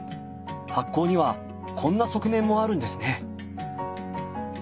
発酵にはこんな側面もあるんですね。